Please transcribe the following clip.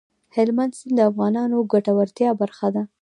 هلمند سیند د افغانانو د ګټورتیا برخه ده.